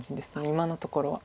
今のところは。